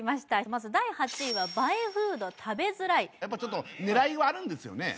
まず第８位は映えフード食べづらいやっぱちょっと狙いはあるんですよね？